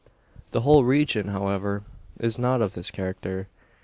The whole region, however, is not of this character.